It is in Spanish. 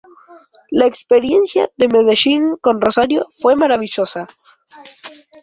La experiencia de Medellín con Rosario fue maravillosa".